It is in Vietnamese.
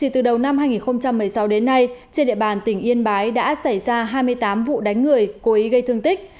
từ đầu năm hai nghìn một mươi sáu đến nay trên địa bàn tỉnh yên bái đã xảy ra hai mươi tám vụ đánh người cố ý gây thương tích